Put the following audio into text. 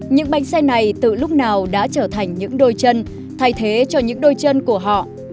những bánh xe này từ lúc nào đã trở thành những đôi chân thay thế cho những đôi chân của họ